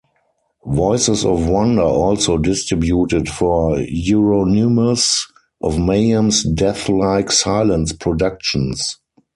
Voices of Wonder also distributed for Euronymous of Mayhem's Deathlike Silence Productions.